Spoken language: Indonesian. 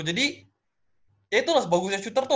jadi ya itu lah sebagusnya shooter tuh